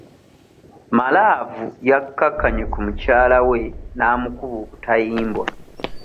Malaavu yakkakkanye ku mukyalawe n'amukuba obutayimbwa.